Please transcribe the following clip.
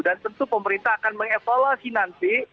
dan tentu pemerintah akan mengevaluasi nanti